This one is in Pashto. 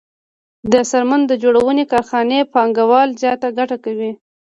د څرمن جوړونې کارخانې پانګوال زیاته ګټه کوي